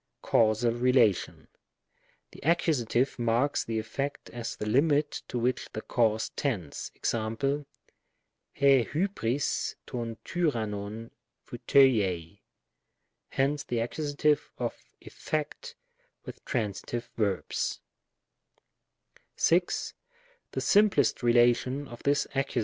Oausal relation. The Accusative marks the effect as the limit to which the cause tends. Ex.^ rj v^Qcg Tov rvqavvov (pvrevsc. Hence the Accus. of effect with transitive verbs. 6. The simplest relation of this Accus.